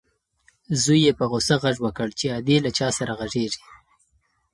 زوی یې په غوسه غږ وکړ چې ادې له چا سره غږېږې؟